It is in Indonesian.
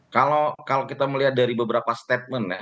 kalau kita melihat dari beberapa statement ya